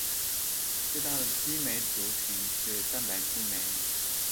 最大的激酶族群是蛋白激酶。